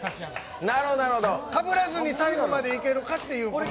かぶらずに最後までいけるかというゲーム。